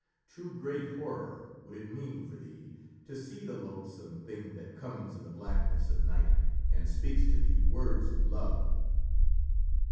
Too great horror would it mean for thee to see the loathsome thing that comes in the blackness of night and speaks to thee words of love."